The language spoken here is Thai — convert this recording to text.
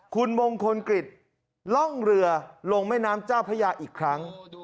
คุณมงคลกฤษล่องเรือลงแม่น้ำเจ้าพระยาอีกครั้ง